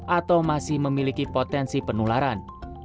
atau masih memiliki potensi penularan